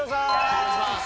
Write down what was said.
お願いします